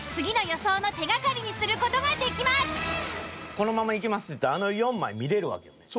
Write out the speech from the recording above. このままいきますって言ったらあの４枚見れるわけよね。